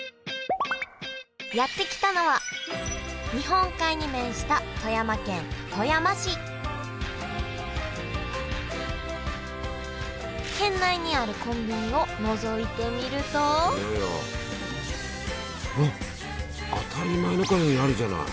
やって来たのは日本海に面した富山県富山市県内にあるコンビニをのぞいてみるとあっ当たり前みたいにあるじゃない。